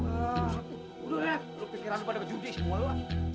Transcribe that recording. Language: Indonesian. loh lu pikiran lu pada kejudi sih